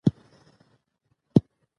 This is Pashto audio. لوستې میندې د زیانمنو خوړو مخه نیسي.